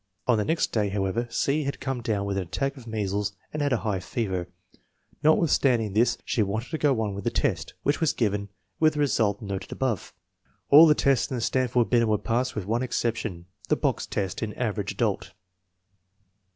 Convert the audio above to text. On the next day, however, C. had come down with an attack of measles and had a high fever. Notwithstanding this she wanted to go on with the test, which was given, with the result noted above. All the tests in the Stanford Binet were passed with one exception, the box test in Average Adult.